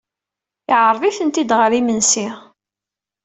Yeɛreḍ-iten-id ɣer yimensi.